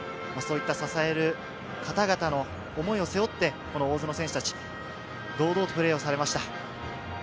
そういった支える方々の思いを背負って大津の選手達、堂々とプレーをされました。